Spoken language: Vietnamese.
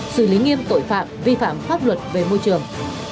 xử lý nghiêm tội phạm vi phạm pháp luật về môi trường